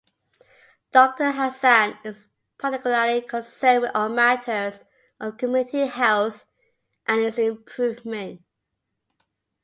Doctor Hassan is particularly concerned with all matters of community health and its improvement.